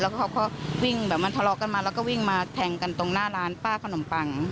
แล้วก็เขาก็วิ่งแบบมันทะเลาะกันมาแล้วก็วิ่งมาแทงกันตรงหน้าร้านป้าขนมปัง